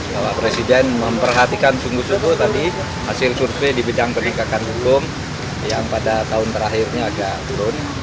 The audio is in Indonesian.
jadi presiden memperhatikan sungguh sungguh tadi hasil survei di bidang peningkatan hukum yang pada tahun terakhirnya agak turun